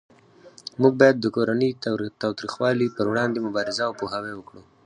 موږ باید د کورنۍ تاوتریخوالی پروړاندې مبارزه او پوهاوی وکړو